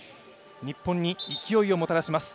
日本に勢いをもたらします。